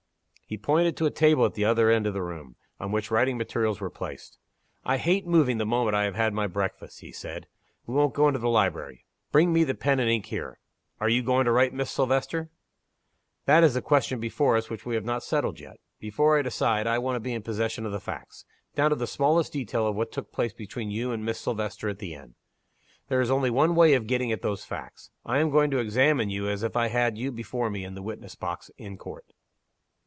He pointed to a table at the other end of the room, on which writing materials were placed. "I hate moving the moment I have had my breakfast," he said. "We won't go into the library. Bring me the pen and ink here." "Are you going to write to Miss Silvester?" "That is the question before us which we have not settled yet. Before I decide, I want to be in possession of the facts down to the smallest detail of what took place between you and Miss Silvester at the inn. There is only one way of getting at those facts. I am going to examine you as if I had you before me in the witness box in court."